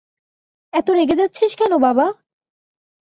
এত রেগে যাচ্ছিস কেন, বাবা?